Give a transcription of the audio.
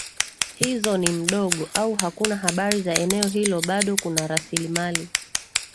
hizo ni mdogo au hakuna habari za eneo hilo bado kuna raslimali